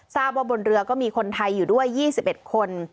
ทราบว่าบนเรือก็มีคนไทยอยู่ด้วย๒๑คน